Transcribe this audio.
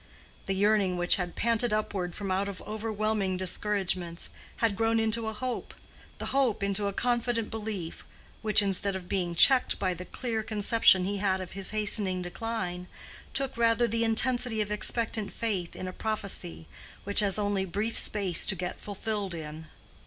The yearning, which had panted upward from out of over whelming discouragements, had grown into a hope—the hope into a confident belief, which, instead of being checked by the clear conception he had of his hastening decline, took rather the intensity of expectant faith in a prophecy which has only brief space to get fulfilled in.